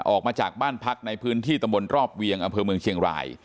ออกมาจากบ้านพักในพื้นที่ตำบลรอบเวียงอำเภอเมืองเชียงราย